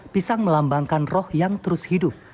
pisang melambangkan roh yang terus hidup